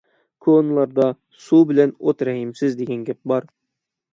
كونىلاردا: «سۇ بىلەن ئوت رەھىمسىز» دېگەن گەپ بار.